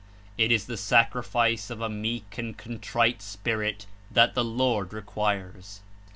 It is the sacrifice of a meek and contrite spirit that the Lord requires.